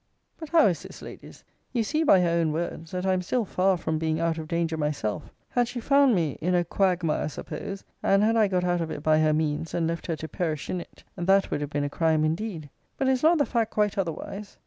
But how is this, Ladies? You see by her own words, that I am still far from being out of danger myself. Had she found me, in a quagmire suppose, and I had got out of it by her means, and left her to perish in it; that would have been a crime indeed. But is not the fact quite otherwise?